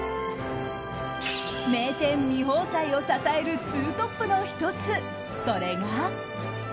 名店・味芳斎を支えるツートップの１つ、それが。